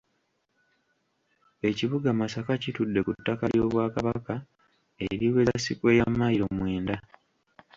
Ekibuga Masaka kitudde ku ttaka ly’Obwakabaka eriweza sikweya mmayiro mwenda.